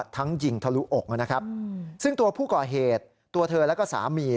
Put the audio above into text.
ทั้งยิงทะลุอกนะครับซึ่งตัวผู้ก่อเหตุตัวเธอแล้วก็สามี